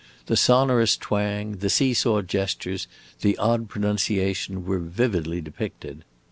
The sonorous twang, the see saw gestures, the odd pronunciation, were vividly depicted.